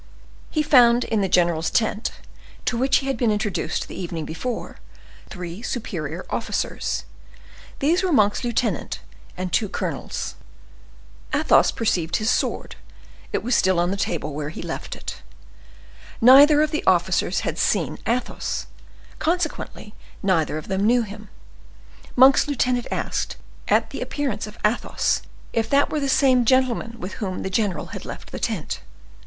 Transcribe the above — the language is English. He found in the general's tent, to which he had been introduced the evening before, three superior officers: these were Monk's lieutenant and two colonels. Athos perceived his sword; it was still on the table where he left it. Neither of the officers had seen Athos, consequently neither of them knew him. Monk's lieutenant asked, at the appearance of Athos, if that were the same gentleman with whom the general had left the tent.